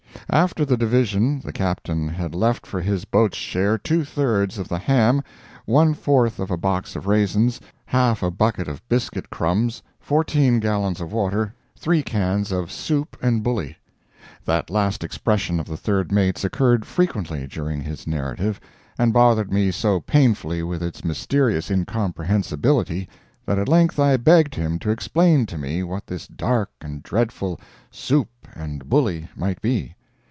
After the division the Captain had left for his boat's share two thirds of the ham, one fourth of a box of raisins, half a bucket of biscuit crumbs, fourteen gallons of water, three cans of "soup and bully." [That last expression of the third mate's occurred frequently during his narrative, and bothered me so painfully with its mysterious incomprehensibility, that at length I begged him to explain to me what this dark and dreadful "soup and bully" might be.